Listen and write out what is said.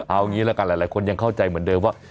เอางี้ละกันหลายคนยังเข้าใจเหมือนเดิมว่า